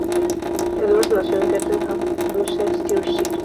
Edwards nació en Cheltenham, Gloucestershire.